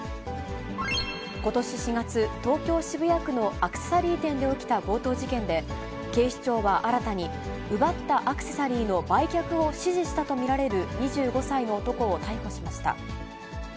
ことし４月、東京・渋谷区のアクセサリー店で起きた強盗事件で、警視庁は新たに奪ったアクセサリーの売却を指示したと見られる２５歳の男を逮捕しました。